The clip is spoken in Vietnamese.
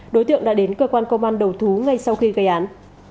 đối tượng đã đến cơ quan công an đầu thú ngay sau khi gây án